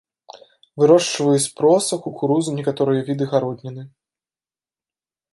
Вырошчваюць проса, кукурузу, некаторыя віды гародніны.